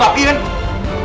gue gak peduli harta bokap